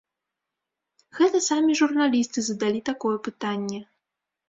Гэта самі журналісты задалі такое пытанне!